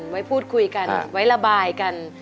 ไว้พูดคุยกันไว้ระบายกัน